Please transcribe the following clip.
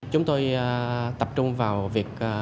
chúng tôi tập trung vào việc